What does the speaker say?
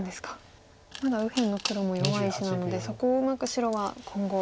まだ右辺の黒も弱い石なのでそこをうまく白は今後。